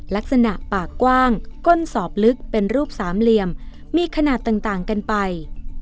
ลักษณะปากกว้างก้นสอบลึกเป็นรูปสามเหลี่ยมมีขนาดต่างกันไป